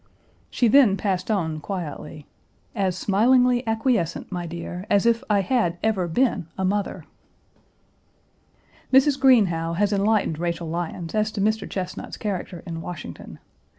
She then passed on quietly, "as smilingly acquiescent, my dear, as if I had ever been a mother." Mrs. Greenhow has enlightened Rachel Lyons as to Mr. Chesnut's character in Washington.